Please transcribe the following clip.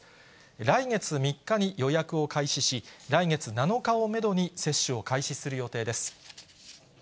来月３日に予約を開始し、来月７日をメドに接種を開始する予定です。